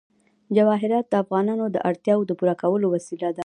جواهرات د افغانانو د اړتیاوو د پوره کولو وسیله ده.